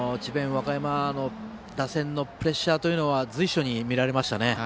和歌山の打線のプレッシャーは随所に見られましたね。